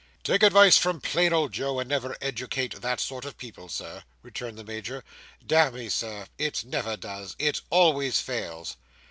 "Take advice from plain old Joe, and never educate that sort of people, Sir," returned the Major. "Damme, Sir, it never does! It always fails!"